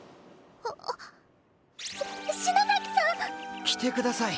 し篠崎さん！？着てください。